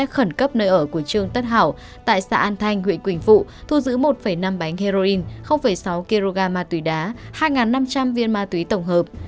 khẩn cấp nơi ở của trương tất hảo tại xã an thanh huyện quỳnh phụ thu giữ một năm bánh heroin sáu kg ma túy đá hai năm trăm linh viên ma túy tổng hợp